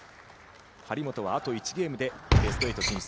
張本はあと１ゲームでベスト８進出。